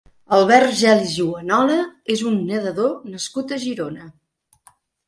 Albert Gelis Juanola és un nedador nascut a Girona.